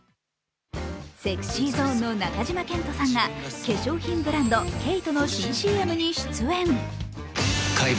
ＳｅｘｙＺｏｎｅの中島健人さんが化粧品ブランド・ＫＡＴＥのＣＭに出演。